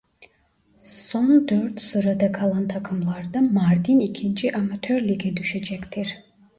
Son dört sırada kalan takımlarda Mardin ikinci Amatör Lige düşecektir.